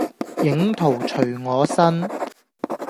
影徒隨我身。